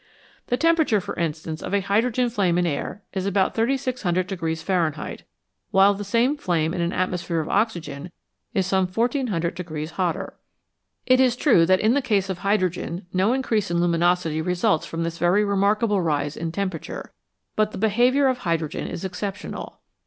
The temperature, for instance, of a hydrogen flame in air is about 3600 Fahrenheit, while the same flame in an atmosphere of oxygen is some 1400 hotter. It is true that in the case of hydrogen no increase in luminosity results from this very remark able rise of temperature, but the behaviour of hydrogen is exceptional.